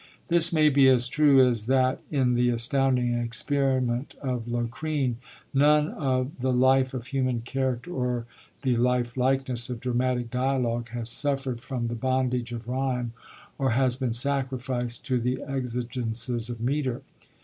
This may be as true as that, in the astounding experiment of Locrine, none of 'the life of human character or the life likeness of dramatic dialogue has suffered from the bondage of rhyme or has been sacrificed to the exigences of metre.'